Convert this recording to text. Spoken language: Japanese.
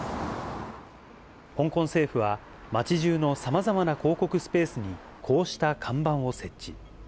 香港政府は、街じゅうのさまざまな広告スペースに、こうした看板を設置。